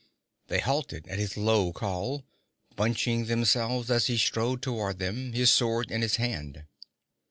They halted at his low call, bunching themselves as he strode toward them, his sword in his hand.